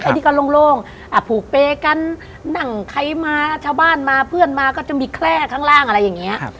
อ้าห์ยอกสูงอ่ะพูกเปรกันนั่งใครมาชาวบ้านมาเพื่อนมาก็จะมีแคล้ข้างล่างอะไรอย่างเนี่ย